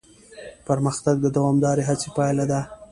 پرمختګ د دوامداره هڅې پایله ده.